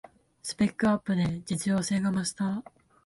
スペックアップで実用性が増した